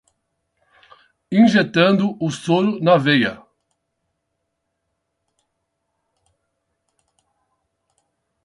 Injetando o soro na veia